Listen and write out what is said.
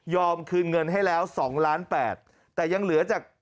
ยอมคืนเงินให้แล้ว๒ล้าน๘แต่ยังเหลือจาก